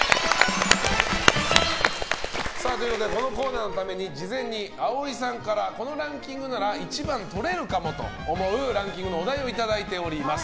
このコーナーのために事前に葵さんからこのランキングなら１番とれるかもと思うランキングのお題をいただいております。